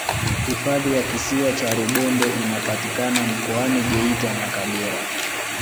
hifadhi ya kisiwa cha rubondo inapatikana mkoani geita na kagera